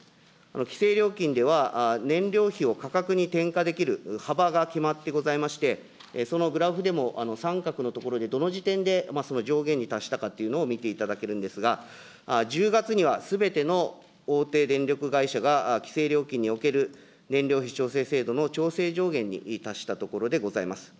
規制料金では燃料費を価格に転嫁できる幅が決まってございまして、そのグラフでも三角の所でどの時点でその上限に達したかというのを見ていただけるんですが、１０月にはすべての大手電力会社が規制料金における燃料費調整制度の調整上限に達したところでございます。